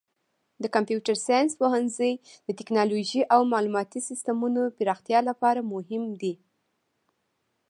د کمپیوټر ساینس پوهنځی د تکنالوژۍ او معلوماتي سیسټمونو پراختیا لپاره مهم دی.